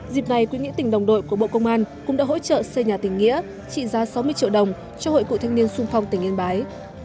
dịp này quỹ nghĩa tỉnh đồng đội của bộ công an cũng đã hỗ trợ xây nhà tỉnh nghĩa trị giá sáu mươi triệu đồng cho hội cụ thanh niên sung phong tỉnh yên bái